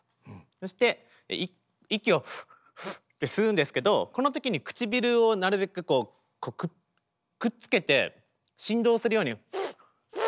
そして息を「フッフッ」って吸うんですけどこのときに唇をなるべくくっつけて振動するように。